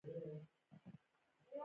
افغانستان په د کلیزو منظره غني دی.